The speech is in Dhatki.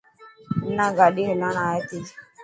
منان گاڏي هلائڻ آي ٿي.